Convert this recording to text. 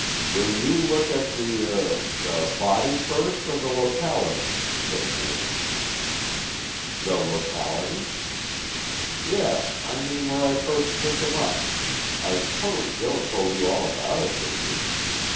"Will you look at the er the body first, or the locality?" said Mervyn. "The locality?" "Yes. I mean where I first picked him up. I suppose Joe told you all about it, didn't he?"